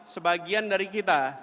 sebagian dari kita